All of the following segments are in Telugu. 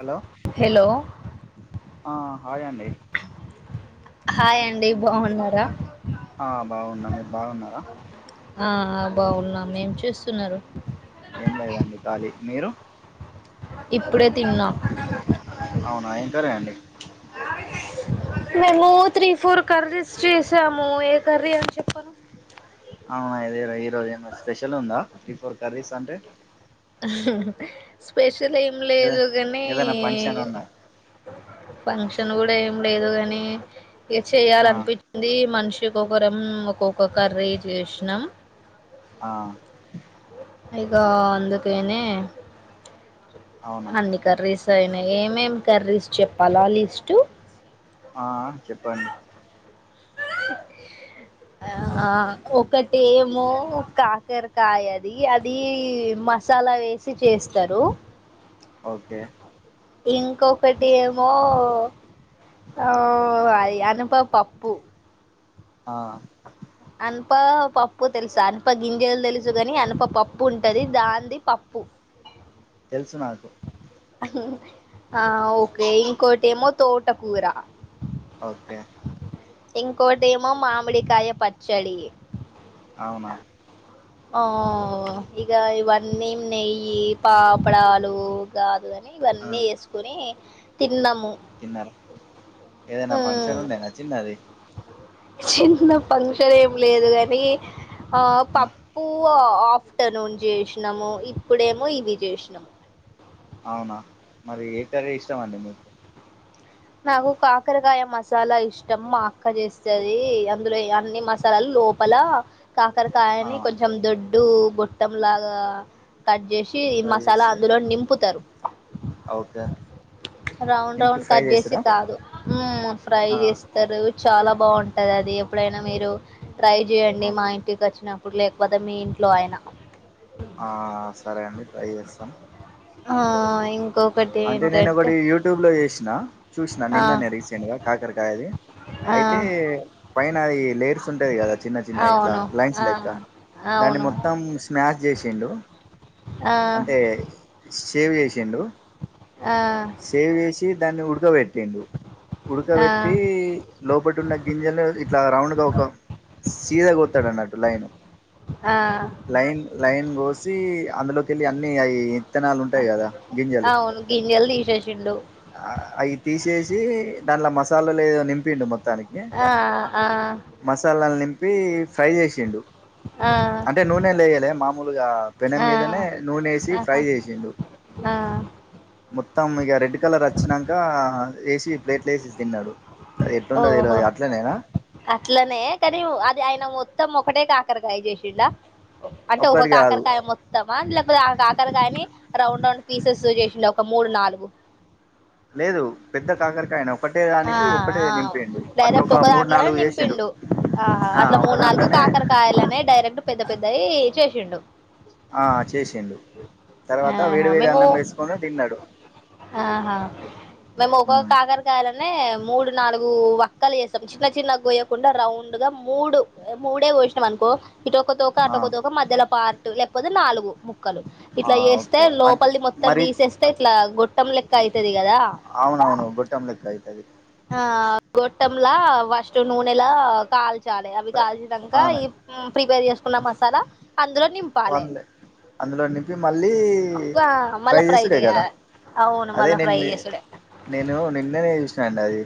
హలో హలో ఆ హాయ్ అండి హాయ్ అండి బాగున్నారా ఆ బాగున్న మీరు బాగున్నారా బాగున్నామ ఏం చేస్తున్నరు ఏం లేదండి ఖాళీ మీరు ఇప్పుడే తిన్నా అవునా ఏం కర్రీ అండి [inaudible] మేము త్రీ ఫోర్ కర్రీస్ చేసాము ఏ కర్రీ అని చెప్పను అవునా ఏదో ఈరోజు ఏమన్న స్పెషల్ ఉందా త్రీ ఫోర్ కర్రీస్ అంటే స్పెషల్ ఏం ఏద లేదు గానీ ఏదైనా ఫంక్షన్ ఉందా ఫంక్షన్ గూడా ఏం లేదు గాని ఇగ ఆ చేయాలనిపించింది మనిషి కొకరం ఒక్కొక్క కర్రీ చేసినాం ఆ ఇగ అందుకేనే అవునా అన్ని కర్రీస్ సరేనా ఏమేమి కర్రీస్ చెప్పాలా లిస్టు ఆ చెప్పండి ఆ ఆ ఒకటేమో కాకరకాయది అది మసాలా వేసి చేస్తరు ఓకే ఇంకొకటి ఏమో ఆ అనుప్ప పప్పు ఆ అనుప్ప పప్పు తెలుసా అనుప్ప గింజలు దెలుసు గాని అనుప్ప పప్పు ఉంటది దాంది పప్పు తెలుసు నాకు ఆ ఓకే ఇంకోటి ఏమో తోటకూర ఓకే ఇంకోటేమో మామిడి కాయ పచ్చడి అవునా ఆ ఇగ ఇవన్నీ నెయ్యి పాపడాలు గాదుగా ఇవన్నీ యేసుకొని తిన్నారు ఏదైనా ఆ ఫంక్షన్ ఉండేనా చిన్నది చిన్న ఫంక్షన్ ఏమి లేదు గాని ఆ పప్పు ఆ ఆఫ్టర్నూన్ జేసినాము ఇప్పుడేమో ఇవి జేసినాము అవునా మరి ఏ కర్రీ ఇష్టమండి మీకు నాకు కాకరకాయ మసాలా ఇష్టం మా అక్క జేస్తది అందులో అన్ని మస లోపల ఆ కాకరకాయని కొంచెం దొడ్ గొట్టం లాగా కట్ జే షి ఫ్రై మసాలా చేసి అందులో నింపుతరు ఓకే రౌండ్ నింపి రౌండ్ ఫ్రై కట్ చేసి చేసుడా కాదు ఉమ్ ఫ్రై ఆ జేస్తరు చాలా బాగుంటది అది ఎప్పుడైనా మీరు ట్రై ఆ జేయండి మా ఇంటికి వచ్చిన ప్పుడు లేకపోతే మీ ఇంట్లో అయిన ఆ సరే అండి ట్రై చేస్తాం ఆ ఇంకొ అంటే నేను ఒకటి యూట్యూబ్ లో జేసిన చూసినా ఆ నిన్ననే రీసెంట్ గా కాకరకాయది ఆ అయితే పైన అది లేయర్స్ ఉంటది గదా చిన్న చిన్న ఇట్లా అవును లైన్స్ ఆ లెక్క దాన్ని అవును మొత్తం స్మాష్ జేసిండు ఆ అంటే సేవ్ జేసిండు ఆ దాన్ని ఉడుక బెట్టిండు ఆ ఉడకబెట్టి లోపటున్న గింజలు ఇట్లా రౌండ్గా ఒక సీదా గొడతా డన్నట్టు లైను ఆ లైన్ లైన్ గోసి అందులో టి అన్ని అయి ఇత్తనాలు ఉంటయి కదా గింజలు అవును గింజలు తీసేసిండు అయి తీసేసి దానిట్ల మసాలా లేదో నింపిండు మొత్ మొత్తానికి ఆ ఆ మసాలాలు నిం పి ఫ్రై చేసిండు, ఆ అంటే నూనె లేయలే మామూలుగా పెనం ఆ మీదనే నూనెేసి ఫ్రై ఆహా చేసిండు. ఆ మొత్తం ఇగ రెడ్ కలర్ అచ్చినంక వేసి ప్లేట్లు ఏసి తిన్నరు. అది ఎట్లుండే ఓహో తెల్వది అట్లేనేైనా? అట్లనే కానీ, అది ఆయన మొత్తం ఒకటే కాకరకాయ చేసిండా? అంటే ఒక ఒక్కటి కాదు కాకరకాయ మొత్తామా, లేకపోతే ఆ కాకరకాయని రౌండ్ రౌండ్ పీసెస్ చేసి డ ఒక మూడు నాలుగు లేదు పెద్ద కాకరకాయనే ఒకటే ఆ దానికి ఒకటే ఆ నింపండు డైరెక్ట్ అటోక ఒక మూడు దాంట్లోనే నాలుగు చేసిండు నింపిండు ఆహా ఆ అట్లా ఒక మూడు నాలుగు దాంట్లోనే కాకరకాయలనే డైరెక్ట్ పెద్ద పెద్దవి చేసిండు. ఆ చేసిండు, తర్వాత ఆహా వేడి వేడి మేము అన్నం వేసుకొని తిన్నడు. ఆహా మేము ఒక కాకరకాయలనే మూడు నాలుగు వక్కలు చేస్తం, చిన్న చిన్న గోయకొండ రౌండ్ గా మూడు, మూడే కోసినం అనుకో ఇటు ఒక తోకా ఆ అటొక తోక మధ్యలో పార్ట్ లేకపోతే నాలుగు ముక్కలు ఆ ఇట్ల చేస్తే ఓకే అంటే లోపలిది మొత్తం మరి తీసేస్తే ఇట్ల గొట్టం లెక్క అయి అవునవును గొట్టం లెక్క అయితది ఆ గొట్టంలా ఫస్ట్ నూనెలా కాల్చ చాలే అవి ఫ్రై కాల్చినంక అవును ఈ ప్రిపేర్ చేసుకున్న మసాలా అందులో నింపాలె. వన్లే అందులో నింపి మళ్ళీ ఫ్రై మళ్ళా చేసుడే కదా? చేయాలి అవును అదే మళ్ళా నిన్ ఫ్రై చేసుడే నేను నిన్ననే చూసిన అండి అది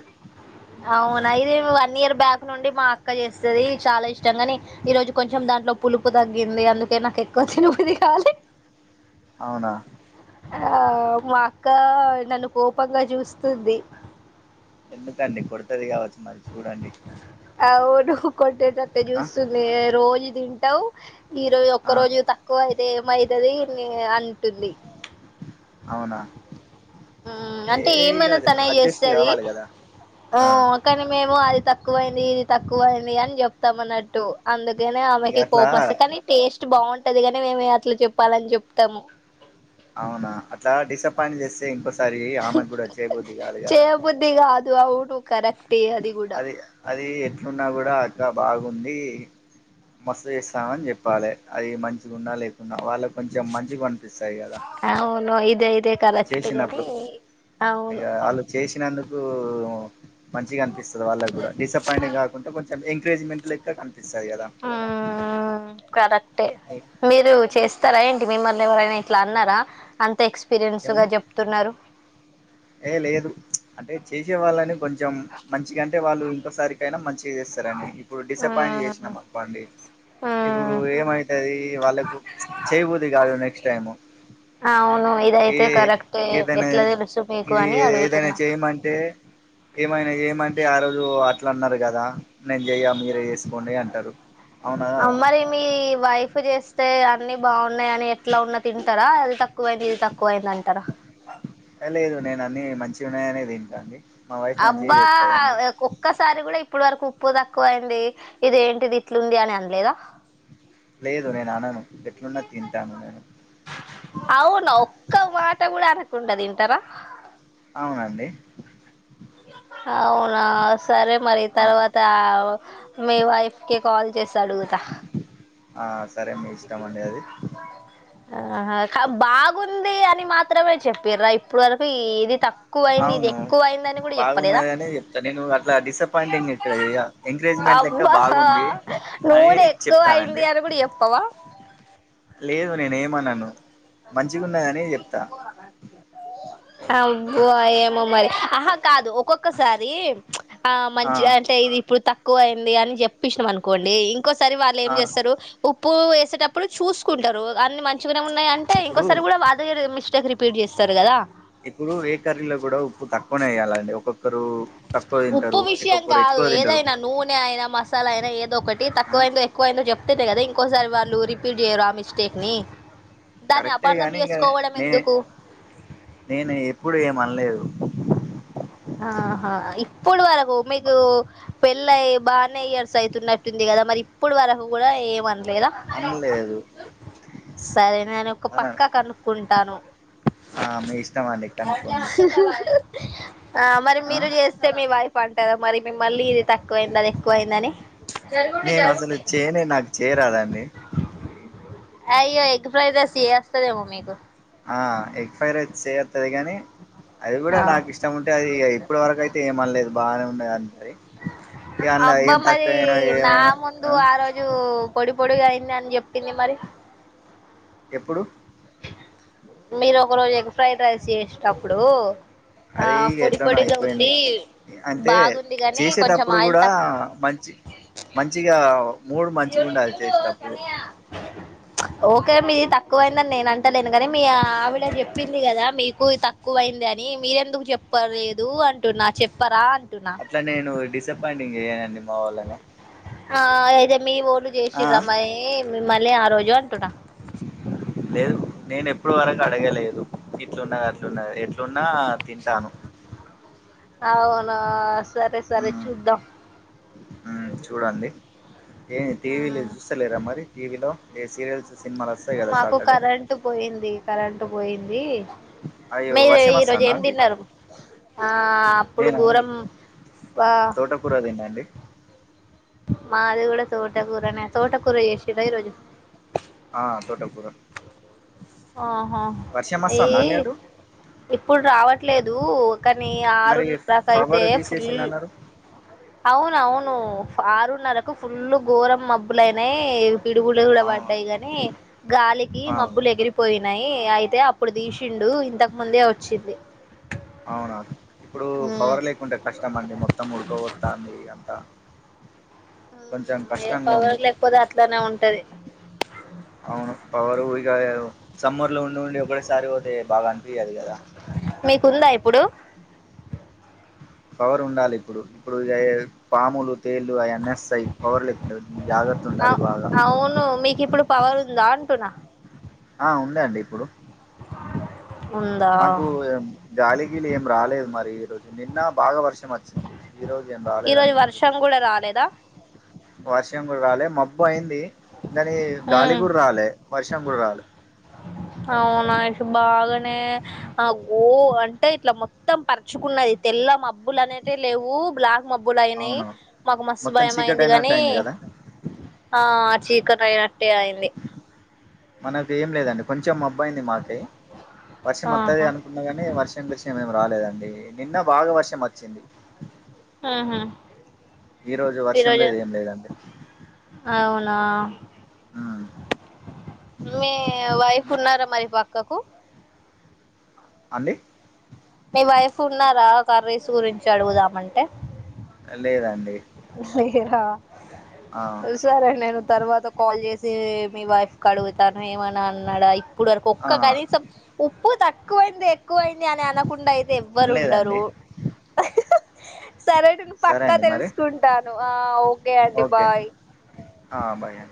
అవునా ఇది వన్ ఇయర్ బ్యాక్ నుండి మా అక్క చేస్తది, చాలా ఇష్టం గని ఈరోజు కొంచెం దాంట్లో పులుపు తగ్గింది అందుకే నాకు ఎక్కువ తినబుద్ధి కాలే. అవునా ఆ మా అక్క నన్ను కోపంగా చూస్తుంది. ఎందుకండి కొడతది కావచ్చు మరి చూడండి అవును కొట్టేటట్టే ఆ చూస్తుంది రోజు తింటవు ఈ రోజు ఒక్క ఆ రోజు తక్కువ అయితే ఏమైతది నే అం అవునా ఉమ్ ఏ అంటే ఇగ ఏమైనా తనే అడ్జస్ట్ చేస్తది కావాలి కదా ఆ కనీ మేము అది తక్కువైంది ఇది తక్కువైం అని చెప్తాం అన్నట్టు అందుకనే ఇక ఆమెకి అట్లా కోపంస్త కానీ టేస్ట్ బాగుం టది గని మేమే అట్లా చెప్పాలని చెప్తాం అవునా అట్లా డిసప్పాయింట్ చేస్తే ఇంకోస్ సరీ ఆమెకు కూడా చెయ్య బుద్ధి కాదు కదా చేయబుద్ధి కాదు అవును కరెక్టే కూడా అది అది ఎట్లున్నా కూడా అక్క బాగుంది. మస్తు చేస్తావని చెప్పాలె, అది మంచిగున్నా లేకున్నా వాళ్ళకు కొంచెం మంచిగ అనిపిస్తాయి కదా అవును ఇదైతే కరెక్ట్ గాని చేసినప్పుడు, ఇగ అవును ఆళ్ళు చేసినందుకు కు మంచిగా అనిపిస్తది వాళ్ళకు గుడ, డిసప్పయింట్ కాకుండా కొంచెం ఎంకరేజ్మెంట్ లెక్కన హా కరెక్టే మీరు చేస్తారా ఏంటి మిమ్మల్ని ఎవరైనా ఇట్ల అన్నారా, అంత ఎక్స్పీరియన్స్ గా ఏమని చెప్తున్నారు. ఏ లేదు అంటే చేసే వాళ్ళని కొంచెం మంచిగ వాళ్ళు ఇంకోసారి కైనా మంచి చేస్తరు అని ఇప్పుడు డిసపాయింట్ మ్మ్ చేసినం అనుకోండి ఇప్పుడు మ్మ్ ఏమై అది వాళ్ళకు చెయ్య బుద్ధి కాదు నెక్స్ట్ టైము అవును ఏ ఇదయితే కరెక్టే ఏదైనా ఎట్లా తెలుసు మీకు ఇది అని ఏదైనా అడుగుతున్నా చేయమంటే ఏమైనా ఏమంటే ఆ రోజు అట్ల అన్నారు కదా నేను చెయ్య మీరే చేసుకోండి అంటారు అవునా అ కదా మరి మీ వైఫ్ చేస్తే అన్ని బాగున్నాయి అని ఎట్లా ఉన్న తింటార తక్కువ అయింది ఇది తక్కువ అయింది అంటర లేదు నేను అన్ని మంచి ఉన్నాయనే తింటా అండి అబ్బా ఒక్కసారి కూడ ఇ ఇప్పుడు వరకు ఉప్పు తక్కువ అయ్యింది ఇదేంటిది ఇట్లుంది అని అనలేదా లేదు నేను అనను ఎట్లున్నా తింటాను నేను అవును ఒక్క మాట కూడ అనకుండ తింటర అవునండి అవునా సరే మరి ఆ తర్వాత మీ వైఫ్ కి కాల్ చేసి అడుగుతా ఆ సరే మీ ఇష్టమండి అది ఉంది అని మాత్రమే చెప్పిర అ ఇప్పుడు వరకు ఏది త అవును బాగున్నద అనే చెప్త నేను అట్లా డిసప్పయింటింగ్ ఇక్కడ చేయ ఎంకరే ఇంకా అబ్బా బాగుంది అని నూనె ఎక్కువ అయింది చెప్తానండి అని కూడా చెప్పవా లేదు నేనే ఏమనను మంచిగా ఉన్నాదానే చెప్త అబ్బో ఏమో మరి ఆహా కాదు ఒక్కొక్కసారి ఆ మంచి అంటే ఇది ఇప్పుడు తక్కువ అయింది అని చెప్పేసిము అనుకోండి ఓకోసారి వాళ్ళు ఏం ఆ చేస్తారు ఉప్పు వేసేటప్పుడు చూసుకుంటారు అన్ని మంచి ఉన్నాయి అంటే ఇప్పుడు ఇంకోసారి కూడ అదే మిస్టేక్ రిపీట్ చేస్తారు కదా ఇప్పుడు ఏ కరీలో కూడఉప్పు తక్కువనే వేయ్యాలండి ఒక్కొక్కరు తక్కు ఉప్పు విషయం కాదు ఏదైనా నూనె అయినా మసాలా అయినా ఏదో ఒకటి ఆ తక్కువ అయిందో ఎక్కువైందో చెప్తేనే కదా ఇంకోసారి వాళ్ళు రిపీట్ చేయరు ఆ మిస్టేక్ని కరెక్టే కానీ ఇగ నే నేను ఎప్పుడు ఏమనలేదు [inaudible] ఆహా ఇప్పుడు వరకు మీకు పెళ్ళయి బానే ఇయర్స్ అయితున్నట్టుంది గ కద మరి ఇప్పుడు వరకు కూడ ఏమ అమ్మలేదు సరే నేను ఒక పక్క కనుక్కుంటాను ఆ మీ ఇష్టం అండి కనుక్కోండి [unintelligible] [inaudible] ఆ మరి ఆ మీరు చేస్తే మీ వైఫ్ అంటదా మరి మిమ్మల్ళీ ఇది తక్కువ అయింది అది ఎక్కువైంది అని నేను అసలు చేనే నాకు చేయరాదండి అయ్యో ఎగ్ ఫ్రైడ్ రైస్ [unintelligible] మీకు ఆ ఎగ్ ఫ్రైడ్ రైస్ [unintelligible] గని అది కూడ ఆ నాకు ఇష్టం ఉంటే అది ఇప్పటి వరకు అయితే ఏమనలేదు బాగానే ఉన్నది అని అంటది ఏంలా అబ్బా ఏం మరి తక్కువ అయినా నా ఏమైన ముందు ఆ రోజు పొడి పొడిగా అయింది అని చెప్పింది మరి ఎప్పుడు మీరు ఒక రోజు ఎగ్ ఫ్రైడ్ రైస్ చేసినప్పుడూ అదీ ఏట్లనో అయిపోయింది అంటే బాగుంది కాని కొంచెం చేసేటప్పుడు ఆయిల్ కూడా తక్కువ మంచి మంచిగా మూడు చూడు మంచిగా ఇటు ఉండాలి చూడు చేసేటప్పుడు కన్నయ్య ఓకే మీత తక్కువైందని నేను అంటలేను గానీ మీ ఆవిడ చెప్పింది కదా మీకు తక్కువైంది అని మీరెందుకు చెప్ చెప్పలేదు అంటున్నా చెప్పరా అంటున్నా అట్లా నేను డిసప్పాయింటింగ్ చేయనండి మా వొళ్ళుని ఆ అయితే మీ వొళ్ళు చేసిర్రామ్మని మిమ్మల్ని ఆ రోజు అంటున్నా లేదు నేను ఎప్పుడు వరకు అడగలేదు ఇట్లున్నది అట్లున్నది ఎట్లున్నా తింటాను అవునా సరే సరే చూద్దాం ఉ చూడండి ఏ టీవీలు చూస్తలేరా మరి టీవీలో ఏ సీరియల్ మాకు కరెంటు పోయింది కరెంటు పోయింది అవి మీరు వర్షం ఈరోజు వస్తాందా ఏం అండి తిన్నారు ఆ అప్పుడు నేనా అండి గోరం ఆ తోటకూర తినండి మాది కూడా తోటకూరనే తోటకూర చేసిర్ర ఈరోజు ఆ తోటకూర ఆహా వర్షం అఈ వస్తాందా అండి అటు ఇప్పుడు రావట్లేదు కానీ మరి ఆరున్నరక అయితే పవర్ ఫుల్ తీసేసిండు అన్నారు అవున అవును ఆరున్నరకు ఫుల్ ఘోరం మబ్బులయినాయి పిడుగులు కూడా పడ్డాయి గాని గాలికి ఆ మబ్బులు ఎగిరిపోయి న్నాయి అయితే అప్పుడు తీసిండు ఇంతకు ముందే వచ్చింది అవునా ఇప్పుడు ఉమ్ పవర్ లేకుంటే కష్టం అండి మొత్తం ఉడుకో తాంది అంతా కొంచెం ఉ ఏ కష్టంగా ఉంది పవర్ లేకపోతే అట్లానే ఉంటది అవును పవరు ఇక ఓ సమ్మర్ లో ఉండి ఉండి ఒకడేసారి పోతే బాగా అనిపియ్యదు కదా ఉందా ఇప్పుడు పవర్ ఉండాలి ఇప్పుడు ఇప్పుడు గై పాములు తేలు ఆయన్ని వస్తాయి పవర్లఫ్ లేకుండా జాగ్రత్త ఉండాలి అవ్ బాగా అవును మీకు ఇప్పుడు పవర్ ఉందా అంటున్న ఆ ఉందా అండి ఇప్పుడు ఉందా నాకు గాలి గిలి ఏం రాలేదు మరి ఈ రోజు నిన్న బాగా వర్ష ర్షం వచ్చింది ఈ రజు ఏం ఈరోజు రాలేదండి మరి వర్షం కూడా రాలేదా వర్షం కూడా రాలే మబ్బు అయింది దని గాలి ఉమ్ కూడా రాలే వర్షం కూడా రాలే అవునా ఇ బాగానే ఆ గో అంటే ఇట్లా మొత్తం పరుచుకున్నది తెల్ల మబ్బులు అనేతే లేవు బ్లాక్ మబ్బులు అయినాయి అవును మాకు మస్తుసు మొత్తం భయం చీకటి అయింది అయినట్టు గాని కదా ఆ అట్ చీకటి అయినట్టే అయింది మనది ఏం లేదండి కొంచెం అబ్బాయింది మాది టే వర్షం వతాది ఆహా అనుకున్నా కానీ వర్షం గిర్షం ఏమి రాలేదు అండి నిన్న భాగవర్షం వచ్చింది ఉహు ఈ రోజు వర్షం ఈరోజు లేదు ఏం లేదు అండి అవునా మీ వైఫ్ కున్నారా మరి పక్కకు అని మీ వైఫ్ ఉన్నారా కర్రీసు గురించి అడుగుదామంటే లేదండి లేరా ఆ సరే నేను తర్వాత కాల్ చేసి మీ వైఫ్ కడుగుతనా ఏమనా అన్నాడా ఇప్పుడు వరకు ఆ ఒక్క కనీసం ఉప్పు తక్కువైంది ఎక్కువైంది అని అనకుండా అయితే ఎవ్వరు లేదండి ఉండరు సరే అండి సరే పక్కా అండి మరి తెలుసుకుంటాను ఆ ఓకే అండి ఓకే బాయ్ ఆ బాయ్ అండి.